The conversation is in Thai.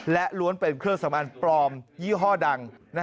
และล้วนเป็นเครื่องสำอางปลอมยี่ห้อดัง